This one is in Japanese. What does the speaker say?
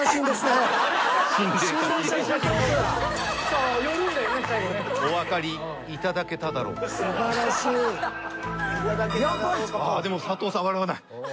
ああでも佐藤さん笑わない。